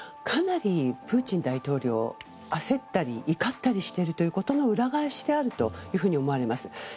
かなりプーチン大統領焦ったり怒ったりしているということの裏返しであると思われます。